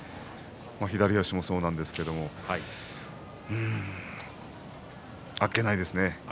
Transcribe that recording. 左足も、そうなんですけどあっけないですね。